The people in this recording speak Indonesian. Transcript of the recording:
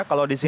kalau di sini